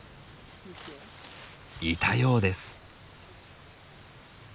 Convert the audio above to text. いたようです！